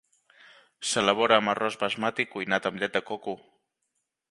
S'elabora amb arròs basmati cuinat amb llet de coco.